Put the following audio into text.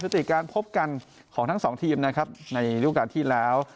ติการพบกันของทั้งสองทีมนะครับในรูปการณ์ที่แล้ว